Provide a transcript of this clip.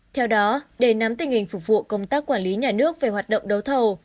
theo đó để nắm tình hình phục vụ công tác quản lý nhà nước về hoạt động đấu thầu